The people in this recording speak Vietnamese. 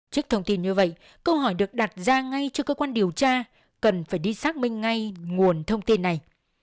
trước thông tin như vậy câu hỏi được đặt ra ngay cho cơ quan điều tra cần phải đi xác minh ngay nguồn thông tin này